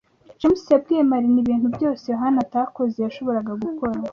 James yabwiye Marina ibintu byose Yohana atakoze yashoboraga gukora.